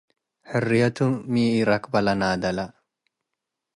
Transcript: ሕርየቱ ሚ ኢረክበ ለናደለ